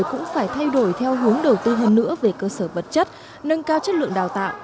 cũng phải thay đổi theo hướng đầu tư hơn nữa về cơ sở vật chất nâng cao chất lượng đào tạo